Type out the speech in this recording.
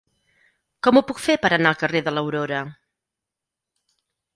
Com ho puc fer per anar al carrer de l'Aurora?